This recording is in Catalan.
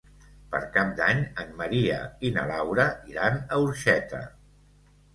Per Cap d'Any en Maria i na Laura iran a Orxeta.